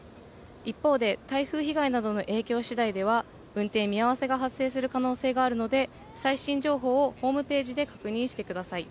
一方で、台風被害などの影響しだいでは運転見合わせが発生する可能性があるので、最新情報をホームページで確認してください。